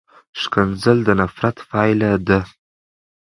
ښکنځلې د نفرت پایله ده.